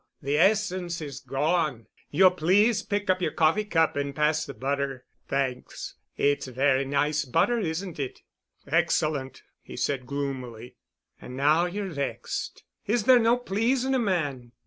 The essence is gone. You'll please pick up your coffee cup and pass the butter. Thanks. It's very nice butter, isn't it?" "Excellent," he said gloomily. "And now you're vexed. Is there no pleasing a man?"